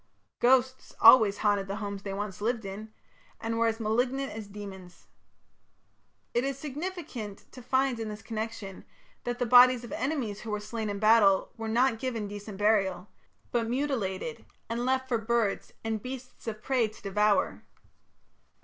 Ghosts always haunted the homes they once lived in, and were as malignant as demons. It is significant to find in this connection that the bodies of enemies who were slain in battle were not given decent burial, but mutilated and left for birds and beasts of prey to devour.